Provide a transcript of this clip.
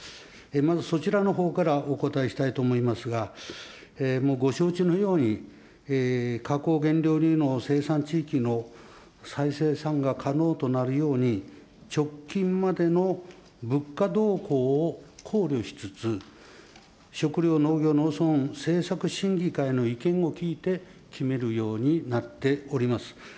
まずそちらのほうからお答えしたいと思いますが、ご承知のように、加工原料乳の生産地域の再生産が可能となるように、直近までの物価動向を考慮しつつ、食料農業農村政策審議会の意見を聞いて、決めるようになっております。